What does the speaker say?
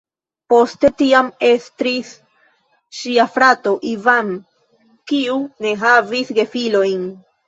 Poste tiam estris ŝia frato "Ivan", kiu ne havis gefilojn.